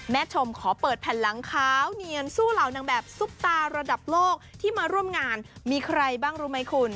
ชมขอเปิดแผ่นหลังขาวเนียนสู้เหล่านางแบบซุปตาระดับโลกที่มาร่วมงานมีใครบ้างรู้ไหมคุณ